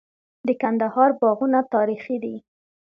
د کندهار باغونه تاریخي دي.